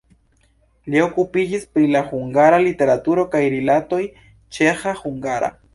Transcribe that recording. Li okupiĝis pri la hungara literaturo kaj rilatoj ĉeĥa-hungara.